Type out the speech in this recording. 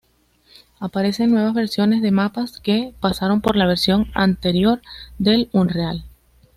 Aparecen nuevas versiones de mapas que pasaron por la versión anterior del Unreal.